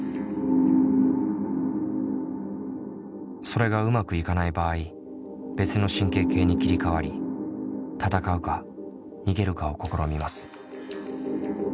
それがうまくいかない場合別の神経系に切り替わり闘うか逃げるかを試みます。